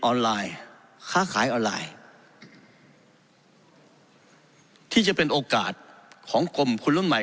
ไลน์ค้าขายออนไลน์ที่จะเป็นโอกาสของกรมคนรุ่นใหม่